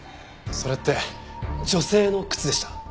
それって女性の靴でした？